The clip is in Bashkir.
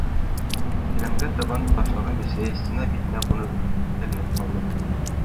Келәмгә табан ташлаған бесәйе стена битенә ҡунып, һәленеп ҡалды.